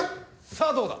さあどうだ！